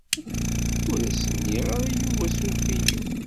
Ur as-nniɣ ara i Yuba suref-iyi.